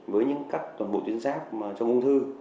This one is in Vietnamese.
với những cắt tổng bộ tuyến giáp trong ung thư